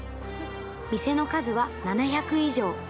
店の数は７００以上。